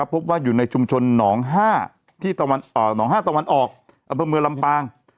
พบว่าอยู่ในชุมชนหนอง๕ตะวันออกประเมืองลำปาง